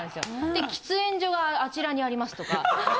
で喫煙所はあちらにありますとか。